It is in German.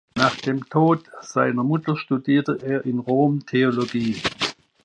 Nach dem Tod seiner Mutter studierte er in Rom Theologie.